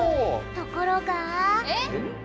ところが。